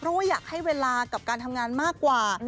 เพราะว่าอยากให้เวลากับการทำงานมากกว่า